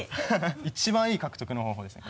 一番いい獲得の方法でしたね